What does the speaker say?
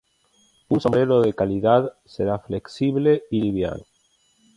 Un sombrero de calidad será flexible y liviano.